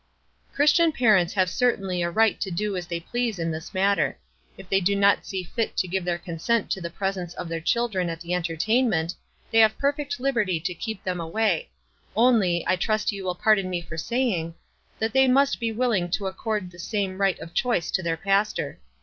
" Christian parents have certainly a right to do as they please in this matter. If they do not see fit to give their consent to the presence of their children at the entertainment, they have perfect liberty to keep them away, — only, I trust you will pardon me for saying, that they must be willing to accord the same right of choice to their pastor.